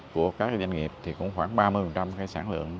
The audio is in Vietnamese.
của các doanh nghiệp thì cũng khoảng ba mươi cái sản lượng